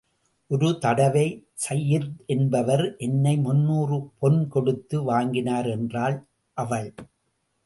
ஒரு தடவை சய்யித் என்பவர் என்னை முந்நூறு பொன் கொடுத்து வாங்கினார் என்றாள் அவள்!